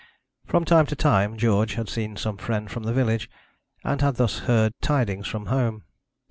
From time to time George had seen some friend from the village, and had thus heard tidings from home.